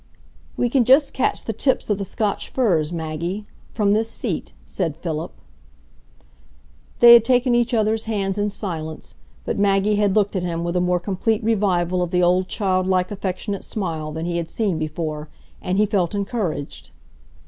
"We can just catch the tips of the Scotch firs, Maggie, from this seat," said Philip. They had taken each other's hands in silence, but Maggie had looked at him with a more complete revival of the old childlike affectionate smile than he had seen before, and he felt encouraged.